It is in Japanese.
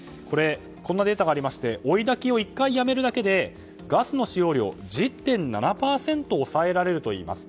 こんなデータがありまして追い炊きを１回やめるだけでガスの使用量１０．７％抑えられるといいます。